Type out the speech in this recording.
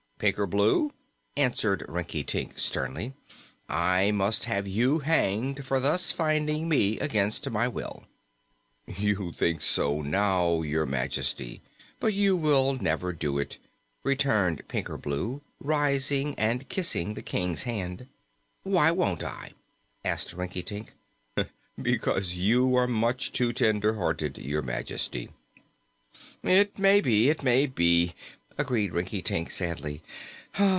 "Pinkerbloo," answered Rinkitink sternly, "I must have you hanged, for thus finding me against my will." "You think so now, Your Majesty, but you will never do it," returned Pinkerbloo, rising and kissing the King's hand. "Why won't I?" asked Rinkitink. "Because you are much too tender hearted, Your Majesty." "It may be it may be," agreed Rinkitink, sadly.